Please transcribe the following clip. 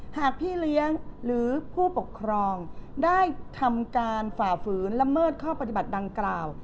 หากพี่เลี้ยงหรือผู้ปกครองได้ทำการฝ่าฝืนละเมิดข้อปฏิบัติดังกล่าว